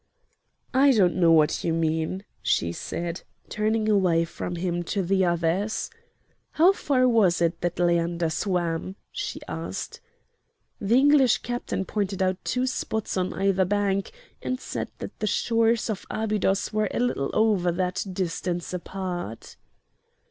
"I don't know what you mean," she said, turning away from him to the others. "How far was it that Leander swam?" she asked. The English captain pointed out two spots on either bank, and said that the shores of Abydos were a little over that distance apart.